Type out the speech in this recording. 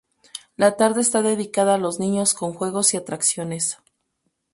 La tarde está dedicada a los niños, con juegos y atracciones.